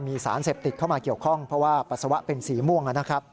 มีสารเสพติดเข้ามาเกี่ยวข้องเพราะว่าปัสสาวะเป็นสีม่วงนะครับ